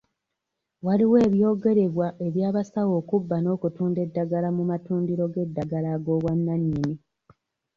Waliwo ebyogerebwa eby'abasawo okubba n'okutunda eddagala mu matundiro g'eddagala ag'obwannannyini.